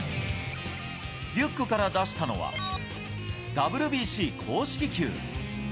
リュックから出したのは、ＷＢＣ公式球。